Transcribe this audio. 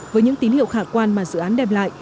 với những tín hiệu khả quan mà dự án đem lại